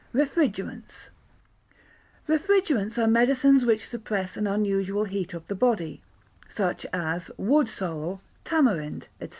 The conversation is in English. Refrigerants Refrigerants are medicines which suppress an unusual heat of the body, such as wood sorrel, tamarind, &c.